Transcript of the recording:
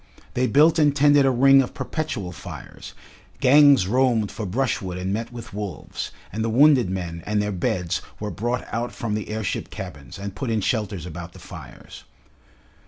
They built and tended a ring of perpetual fires, gangs roamed for brushwood and met with wolves, and the wounded men and their beds were brought out from the airship cabins, and put in shelters about the fires.